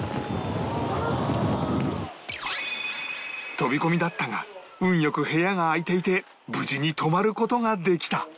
飛び込みだったが運良く部屋が空いていて無事に泊まる事ができた